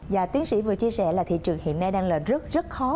và tiến sĩ vừa chia sẻ là thị trường hiện nay đang rất khó